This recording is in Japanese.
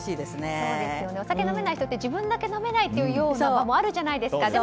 お酒を飲めない人って自分だけ飲めないというのがあるじゃないですか。